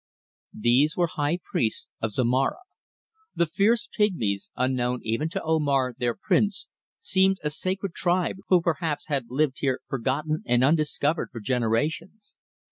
These were high priests of Zomara. The fierce pigmies, unknown even to Omar, their prince, seemed a sacred tribe who perhaps had lived here forgotten and undiscovered for generations.